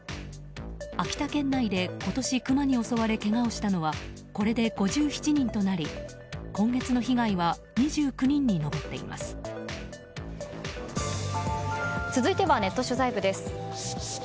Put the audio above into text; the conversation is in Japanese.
秋田県内で今年、クマに襲われけがをしたのはこれで５７人となり今月の被害は続いてはネット取材部です。